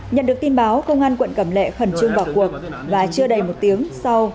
nhận được tin báo công an quận cầm lệ khẩn trương bỏ cuộc và chưa đầy một tiếng sau